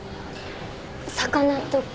魚とか。